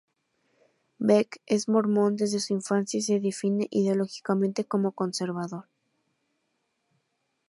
Beck, es mormón desde su infancia y se define ideológicamente como conservador.